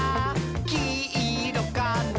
きいろかな？」